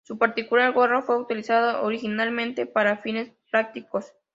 Su particular gorra fue utilizada originalmente para fines prácticos.